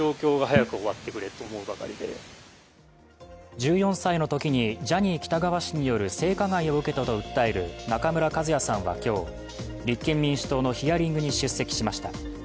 １４歳のときにジャニー喜多川氏による性加害を受けたと訴える中村一也さんは今日、立憲民主党のヒアリングに出席しました。